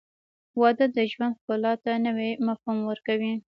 • واده د ژوند ښکلا ته نوی مفهوم ورکوي.